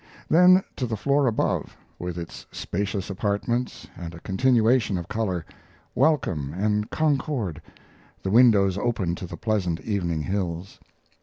Then to the floor above, with its spacious apartments and a continuation of color welcome and concord, the windows open to the pleasant evening hills.